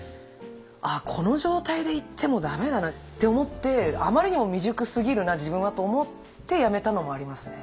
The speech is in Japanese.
あこの状態で行っても駄目だなって思って「あまりにも未熟すぎるな自分は」と思ってやめたのもありますね。